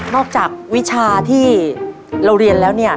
จากวิชาที่เราเรียนแล้วเนี่ย